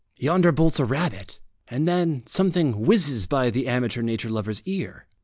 Yonder bolts a rabbit, and then something whizzes by the amateur nature lover's ear.